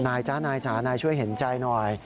จ๊ะนายจ๋านายช่วยเห็นใจหน่อย